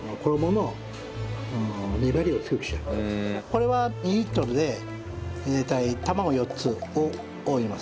これは２リットルで大体卵４つを入れます。